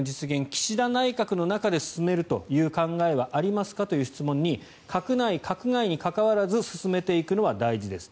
岸田内閣の中で進めるという考えはありますかという質問に閣内・閣外にかかわらず進めていくのは大事です。